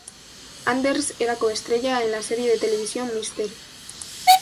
Anders era co-estrella en la serie de televisión "Mr.